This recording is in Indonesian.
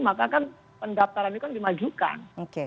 maka kan pendaftaran itu kan dimajukan